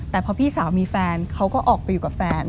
แต่พอพี่สาวมีแฟนเขาก็ออกไปอยู่กับแฟน